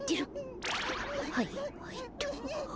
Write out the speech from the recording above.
はいはいっと。